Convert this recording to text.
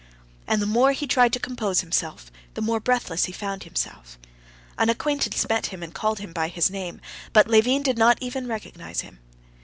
And the more he tried to compose himself, the more breathless he found himself. An acquaintance met him and called him by his name, but Levin did not even recognize him.